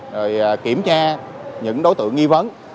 rồi kiểm tra những đối tượng nghi vấn